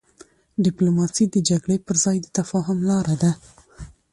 ډيپلوماسي د جګړې پر ځای د تفاهم لاره ده.